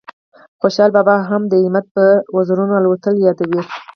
خوشال بابا هم د همت په وزرونو الوتل یادوي